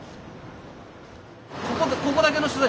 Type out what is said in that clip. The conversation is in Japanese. ここだけの取材？